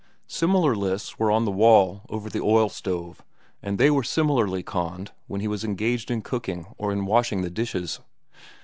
Similar lists were on the wall over the oil stove, and they were similarly conned while he was engaged in cooking or in washing the dishes.